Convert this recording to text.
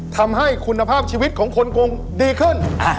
ทำให้คุณภาพชีวิตของคนกรุงดีขึ้น